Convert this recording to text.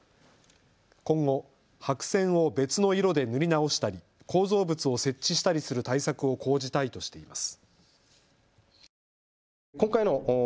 今後白線を別の色で塗り直したり構造物を設置したりする対策を講じたいとしています。